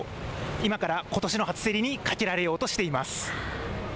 今からことしの初競りにかけられようとしています。